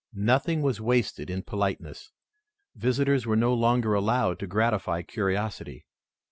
Nothing was wasted in politeness. Visitors were no longer allowed to gratify curiosity.